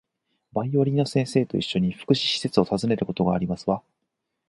バイオリンの先生と一緒に、福祉施設を訪ねることがありますわ